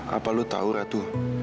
apa lo tau ratu